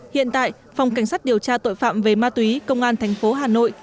hiện tại phòng cảnh sát điều tra tội phạm về ma túy công an thành phố hà nội